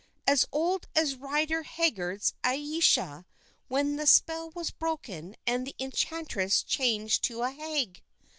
As old as Rider Haggard's Ayesha when the spell was broken and the enchantress changed to a hag.